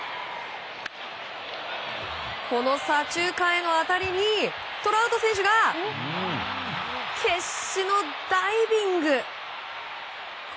この左中間への当たりにトラウト選手が決死のダイビング。